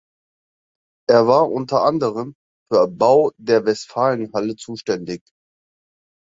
Er war unter anderem für Bau der Westfalenhalle zuständig.